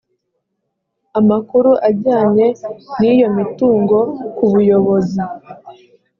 amakuru ajyanye n iyo mitungo ku buyobozi